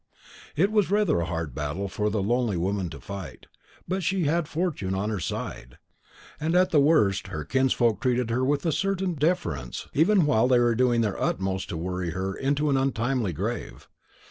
It was rather a hard battle for the lonely little woman to fight, but she had fortune on her side; and at the worst, her kinsfolk treated her with a certain deference, even while they were doing their utmost to worry her into an untimely grave.